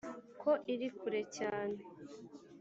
ko iri kure cyane